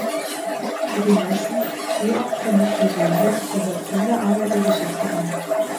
Für die meisten, wie auch für mich persönlich, gehört Kinderarbeit der Geschichte an.